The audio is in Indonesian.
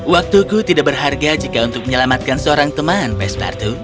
waktuku tidak berharga jika untuk menyelamatkan seorang teman pespartu